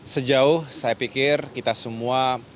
sejauh saya pikir kita semua